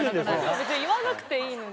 別に言わなくていいのに。